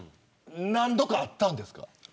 何度かあったんですか。